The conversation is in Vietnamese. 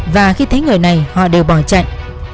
và khi thấy người này họ đều bỏ chạy